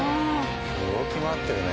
動き回ってるね。